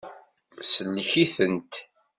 Sellek-itent.